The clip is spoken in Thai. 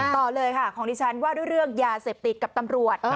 ต่อเลยค่ะของดิฉันว่าด้วยเรื่องยาเสพติดกับตำรวจ